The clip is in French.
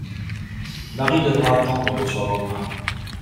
Marie devra attendre le surlendemain.